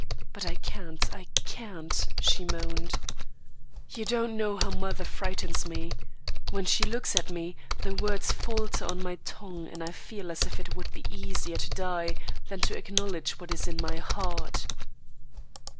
But I can't, I can't," she moaned. "You don't know how mother frightens me. When she looks at me, the words falter on my tongue and I feel as if it would be easier to die than to acknowledge what is in my heart."